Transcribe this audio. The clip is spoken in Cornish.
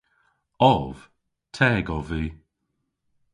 Ov. Teg ov vy.